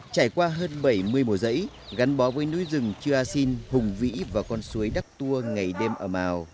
trải qua hơn bảy mươi mùa giấy gắn bó với núi rừng chua xin hùng vĩ và con suối đắk tua ngày đêm ẩm ào